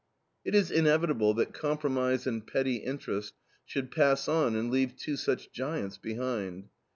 It is inevitable that compromise and petty interest should pass on and leave two such giants behind.